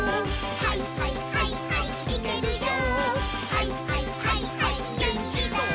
「はいはいはいはいマン」